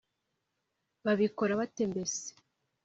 babikora bate mbese?